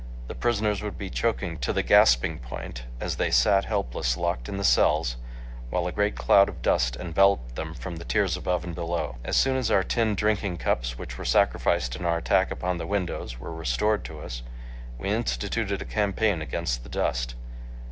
The prisoners would be choking to the gasping point, as they sat, helpless, locked in the cells, while a great cloud of dust enveloped them from tiers above and below. As soon as our tin drinking cups, which were sacrificed in our attack upon the windows, were restored to us, we instituted a campaign against the dust.